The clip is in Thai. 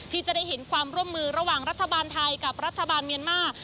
ที่จะได้เห็นความร่วมมือระหว่างรัฐบาลไทยกับรัฐบาลเมียนมาร์